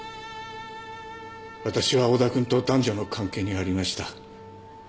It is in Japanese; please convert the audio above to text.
わたしは小田君と男女の関係にありました。